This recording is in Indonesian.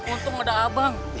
untung ada abang